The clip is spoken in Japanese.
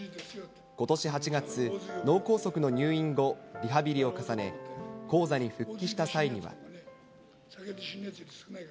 ことし８月、脳梗塞の入院後、リハビリを重ね、高座に復帰した際には。